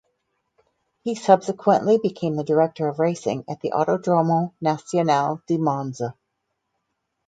He subsequently became the director of racing at the Autodromo Nazionale di Monza.